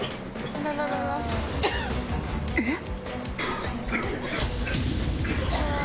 えっ